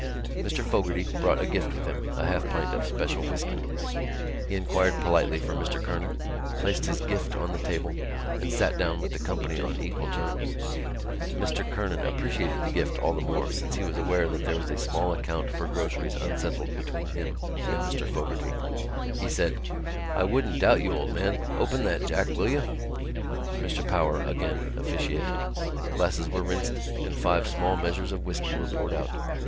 Mr Fogarty brought a gift with him, a half pint of special whisky. He inquired politely for Mr Kernan, placed his gift on the table and sat down with the company on equal terms. Mr Kernan appreciated the gift all the more since he was aware that there was a small account for groceries unsettled between him and Mr Fogarty. He said: "I wouldn't doubt you, old man. Open that, Jack, will you?" Mr Power again officiated. Glasses were rinsed and five small measures of whisky were poured out.